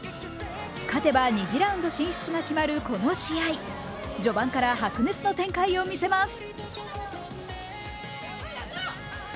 勝てば２次ラウンド進出が決まるこの試合、序盤から白熱の展開を見せます。